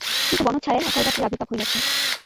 কিন্তু বনচ্ছায়ায় অকালরাত্রির আবির্ভাব হইয়াছে।